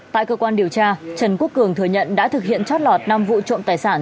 tại cơ quan điều tra trần quốc cường thừa nhận đã thực hiện trót lọt năm vụ trộm tài sản